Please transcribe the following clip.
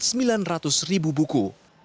sembilan ratus ribu buku